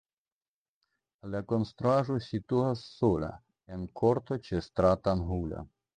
La konstruaĵo situas sola en korto ĉe stratangulo.